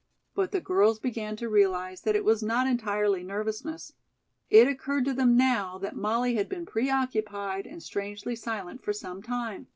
But the girls began to realize that it was not entirely nervousness. It occurred to them now that Molly had been preoccupied and strangely silent for some time.